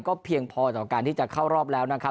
เพียงพอต่อการที่จะเข้ารอบแล้วนะครับ